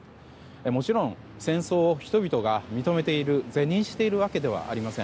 もちろん、戦争を人々が認めている是認しているわけではありません。